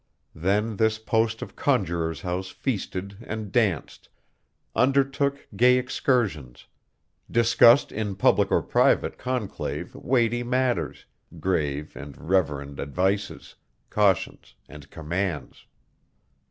Then this post of Conjuror's House feasted and danced, undertook gay excursions, discussed in public or private conclave weighty matters, grave and reverend advices, cautions, and commands.